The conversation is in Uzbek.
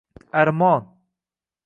armon